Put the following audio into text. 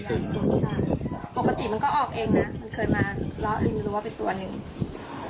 ปกติก็ออกเองนะมันเคยมาแล้วมีรู้ว่าเป็นตัวหนึ่ง